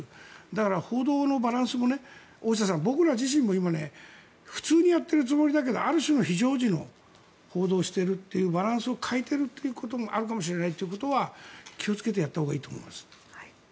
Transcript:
だから、報道のバランスも大下さん、僕ら自身も今、普通にやってるつもりだけどある種の非常時の報道をしているというバランスを欠いているということもあるかもしれないということは気をつけてやったほうがいいと思います。